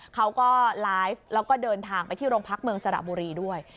เขาก็ไลฟ์แล้วก็เดินทางไปที่โรงพักเมืองสระบุรีด้วย